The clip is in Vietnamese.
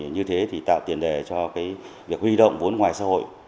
như thế thì tạo tiền đề cho việc huy động vốn ngoài xã hội